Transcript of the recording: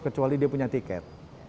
kecuali dia punya tiket